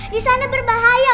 di sana berbahaya